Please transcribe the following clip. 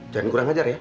jangan kurang ajar ya